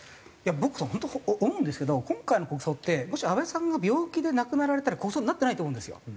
僕本当思うんですけど今回の国葬ってもし安倍さんが病気で亡くなられたら国葬になってないと思うんですよ。